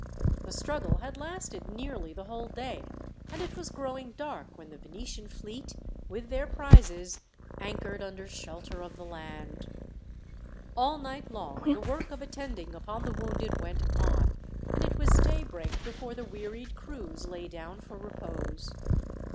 The struggle had lasted nearly the whole day, and it was growing dark when the Venetian fleet, with their prizes, anchored under shelter of the land. All night long the work of attending upon the wounded went on, and it was daybreak before the wearied crews lay down for repose.